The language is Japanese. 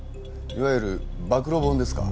いわゆる暴露本ですか？